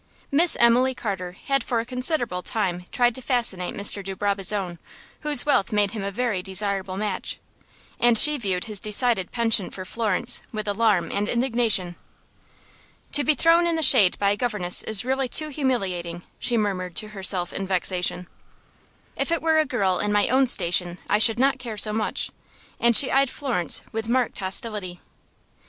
Miss Emily Carter had for a considerable time tried to fascinate Mr. de Brabazon, whose wealth made him a very desirable match, and she viewed his decided penchant for Florence with alarm and indignation. "To be thrown in the shade by a governess is really too humiliating!" she murmured to herself in vexation. "If it were a girl in my own station I should not care so much," and she eyed Florence with marked hostility.